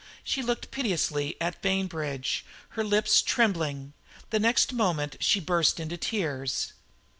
She looked piteously at Bainbridge, her lips trembling. The next moment she burst into tears.